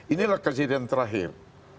inilah kejadian terakhir